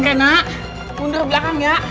rena mundur belakang ya